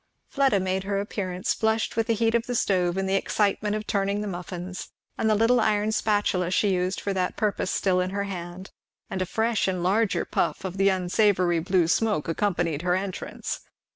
Fleda made her appearance flushed with the heat of the stove and the excitement of turning the muffins, and the little iron spatula she used for that purpose still in her hand; and a fresh and larger puff of the unsavoury blue smoke accompanied her entrance.